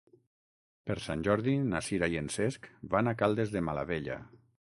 Per Sant Jordi na Sira i en Cesc van a Caldes de Malavella.